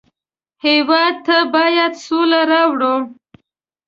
هېواد ته باید سوله راوړو